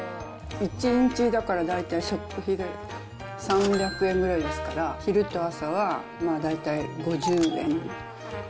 １日、だから大体食費で３００円ぐらいですから、昼と朝は大体５０円。